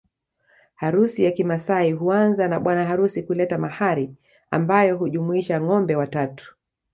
Harusi ya kimaasai huanza na bwana harusi kuleta mahari ambayo hujumuisha ngombe watatu